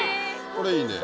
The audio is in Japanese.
これいいね。